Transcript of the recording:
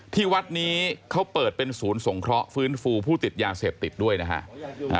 ที่วัดนี้เขาเปิดเป็นศูนย์สงเคราะห์ฟื้นฟูผู้ติดยาเสพติดด้วยนะฮะ